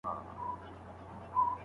تشویق د انسان انرژي دوه برابره کوي.